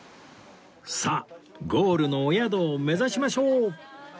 さあゴールのお宿を目指しましょう！